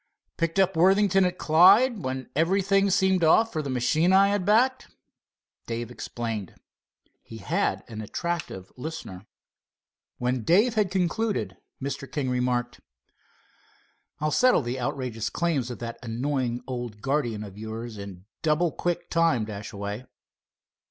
"Picked up Worthington at Clyde, when everything seemed off for the machine I backed." Dave explained. He had an attentive listener. When Dave had concluded, Mr. King remarked: "I'll settle the outrageous claims of that annoying old guardian of yours in double quick time, Dashaway."